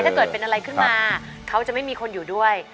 ถ้าเกิดเป็นอะไรขึ้นมาเขาจะไม่มีคนอยู่ด้วย